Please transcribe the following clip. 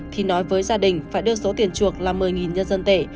thì nói với gia đình phải đưa số tiền chuộc là một mươi nhân dân tệ